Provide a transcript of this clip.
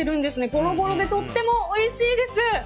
ゴロゴロでとってもおいしいです。